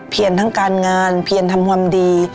ทั้งการงานเพียรทำความดี